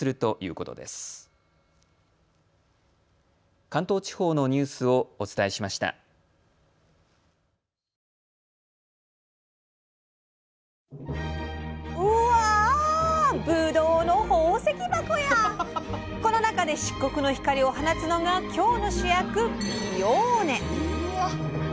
この中で漆黒の光を放つのが今日の主役ピオーネ！